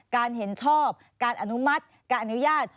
การเห็นชอบการอนุมัติการอนุญาต